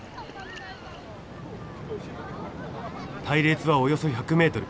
隊列はおよそ１００ｍ。